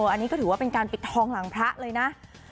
อันนี้ก็ถือว่าเป็นการปิดทองหลังพระเลยนะ